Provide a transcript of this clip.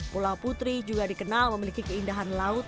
pulau putri juga dikenal memiliki keindahan laut